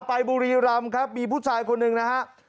บุรีรำครับมีผู้ชายคนหนึ่งนะฮะ